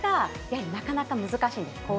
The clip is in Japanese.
なかなか難しいんです。